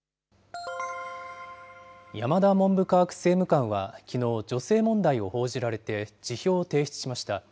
山田文部科学政務官はきのう、女性問題を報じられて辞表を提出しました。